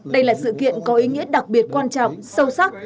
đây là sự kiện có ý nghĩa đặc biệt quan trọng sâu sắc